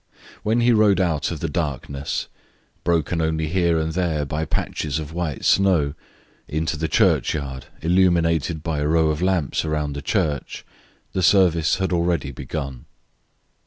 When he rode out of the darkness, broken only here and there by patches of white snow, into the churchyard illuminated by a row of lamps around the church, the service had already begun.